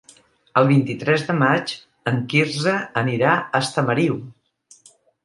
El vint-i-tres de maig en Quirze anirà a Estamariu.